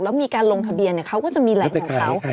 แล้วมีการลงทะเบียนเขาก็จะมีแหล่งของเขา